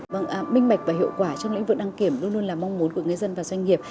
vâng minh mạch và hiệu quả trong lĩnh vực đăng kiểm luôn luôn là mong muốn của người dân và doanh nghiệp